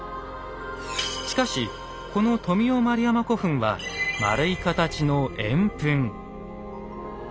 しかしこの「富雄丸山古墳」は円い形の「円墳」。